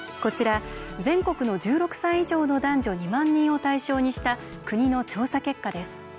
全国の１６歳以上の男女２万人を対象にした国の調査結果です。